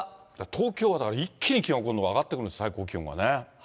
東京は一気に気温、今度は上がってくる、最高気温がね。